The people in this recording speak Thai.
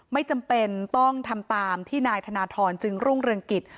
ไม่จำเป็นต้องทำตามที่นายธนทรจึงรุ่งเรืองกิจ